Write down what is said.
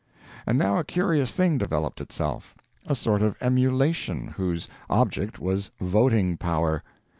And now a curious thing developed itself a sort of emulation, whose object was voting power!